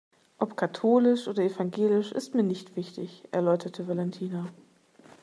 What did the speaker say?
Ob katholisch oder evangelisch ist mir nicht wichtig, erläuterte Valentina.